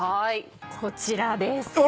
こちらです。